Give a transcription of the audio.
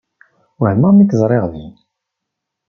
Wehmeɣ mi k-ẓriɣ din.